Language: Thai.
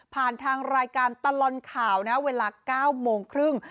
ทางรายการตลอดข่าวนะเวลา๙โมงครึ่ง